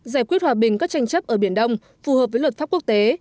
giải quyết hòa bình các tranh chấp ở biển đông phù hợp với luật pháp quốc tế